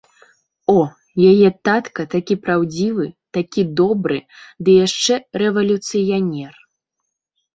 О, яе татка такі праўдзівы, такі добры, ды яшчэ рэвалюцыянер!